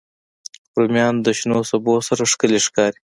رومیان د شنو سبو سره ښکلي ښکاري